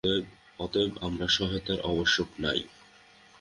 অতএব আমার সহায়তার আবশ্যক নাই।